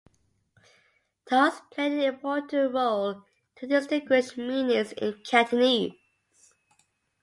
Tones play an important role to distinguish meanings in Cantonese.